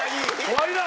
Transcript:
終わりだ！